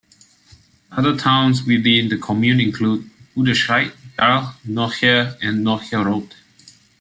Other towns within the commune include Buderscheid, Dahl, Nocher, and Nocher-Route.